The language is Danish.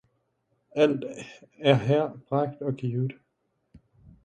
Alt er hr bragt og givet